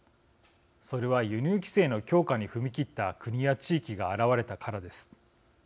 それは、輸入規制の強化に踏み切った国や地域が現れたからです。